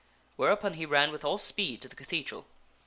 Whereupon he ran with all speed to the cathedral.